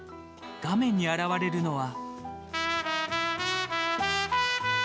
画面に現れるのは。